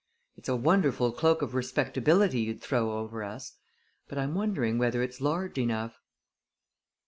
It's a wonderful cloak of respectability you'd throw over us; but I'm wondering whether it's large enough!"